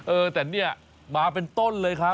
เออแต่เนี่ยมาเป็นต้นเลยครับ